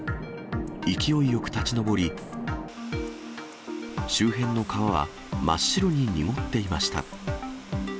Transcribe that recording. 勢いよく立ち上り、周辺の川は真っ白に濁っていました。